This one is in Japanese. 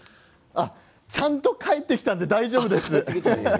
ちゃんと帰ってきたので大丈夫です。